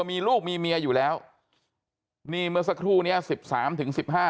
มีลูกมีเมียอยู่แล้วนี่เมื่อสักครู่เนี้ยสิบสามถึงสิบห้า